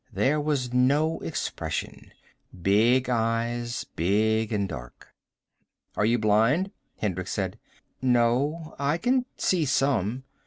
There was no expression. Big eyes, big and dark. "Are you blind?" Hendricks said. "No. I can see some."